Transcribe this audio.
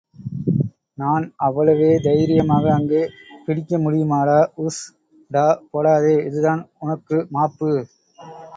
நான் அவ்வளவு தைரியமாக அங்கே பிடிக்க முடியுமாடா? உஸ்... டா போடாதே.... இதுதான் உனக்கு மாப்பு!..